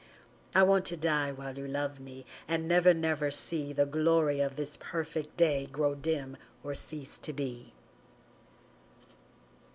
I want to die while you love me And never, never see The glory of this perfect day Grow dim or cease to be.